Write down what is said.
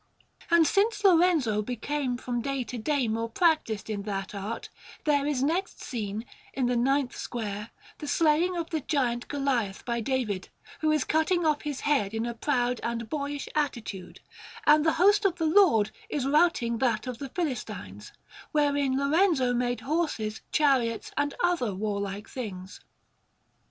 And since Lorenzo became from day to day more practised in that art, there is next seen, in the ninth square, the slaying of the giant Goliath by David, who is cutting off his head in a proud and boyish attitude; and the host of the Lord is routing that of the Philistines, wherein Lorenzo made horses, chariots, and other warlike things.